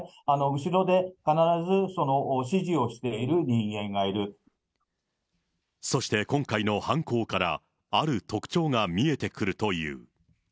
後ろで必ず指示をしている人間がそして今回の犯行から、ある特徴が見えてくるという。